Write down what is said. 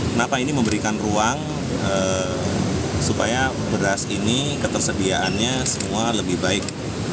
kenapa ini memberikan ruang supaya beras ini ketersediaannya semua lebih baik